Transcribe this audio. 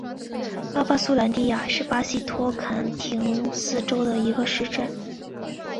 巴巴苏兰迪亚是巴西托坎廷斯州的一个市镇。